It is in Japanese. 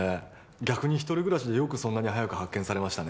逆に一人暮らしでよくそんなに早く発見されましたね